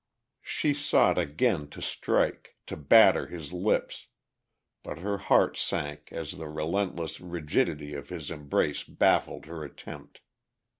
She sought again to strike, to batter his lips. But her heart sank as the relentless rigidity of his embrace baffled her attempt.